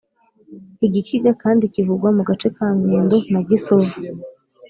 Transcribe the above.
igikiga kandi kivugwa mu gace ka mwendo na gisovu